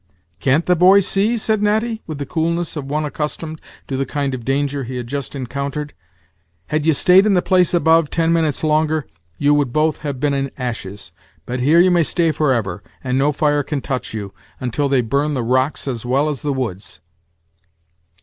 "Can't the boy see?" said Natty, with the coolness of one accustomed to the kind of danger he had just encountered. "Had ye stayed in the place above ten minutes longer, you would both have been in ashes, but here you may stay forever, and no fire can touch you, until they burn the rocks as well as the woods."